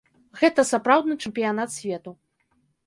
Гэта сапраўдны чэмпіянат свету.